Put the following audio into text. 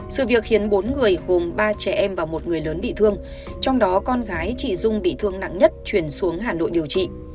sự việc khiến bốn người gồm ba trẻ em và một người lớn bị thương trong đó con gái chị dung bị thương nặng nhất chuyển xuống hà nội điều trị